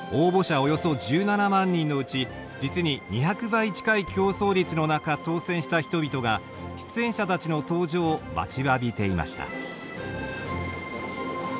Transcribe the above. およそ１７万人のうち実に２００倍近い競争率の中当選した人々が出演者たちの登場を待ちわびていました。